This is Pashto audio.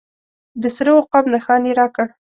د سره عقاب نښان یې راکړ.